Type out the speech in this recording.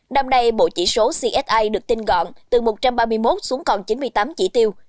năm nay bộ chỉ số csi được tin gọn từ một trăm ba mươi một xuống còn chín mươi tám chỉ tiêu